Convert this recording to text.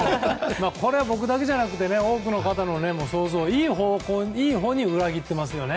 これは僕だけじゃなくて多くの方の想像をいいほうに裏切ってますよね。